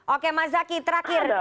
oke mas zaky terakhir